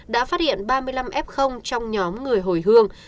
đã phát hiện ba mươi năm f trong nhóm người hồi hương